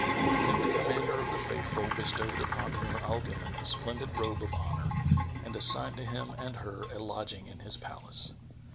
Then the Commander of the Faithful bestowed upon Nur al Din a splendid robe of honour and assigned to him and her a lodging in his palace.